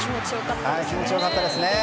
気持ちよかったですね。